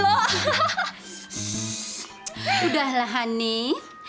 shhh udah lah hanif